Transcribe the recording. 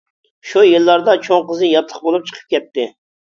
شۇ يىللاردا چوڭ قىزى ياتلىق بولۇپ چىقىپ كەتتى.